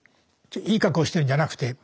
いい格好をしてるんじゃなくて。